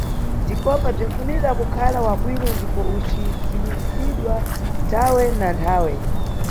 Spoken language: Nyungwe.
Ndipopa bzinʼfunika kukhala wabwino ndipo ucidziwisidwa nthawe na nthawe.